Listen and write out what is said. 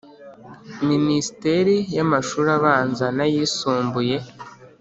Minisiteri y Amashuri Abanza n Ayisumbuye